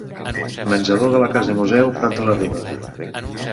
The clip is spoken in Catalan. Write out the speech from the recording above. Menjador de la Casa-Museu Prat de la Riba.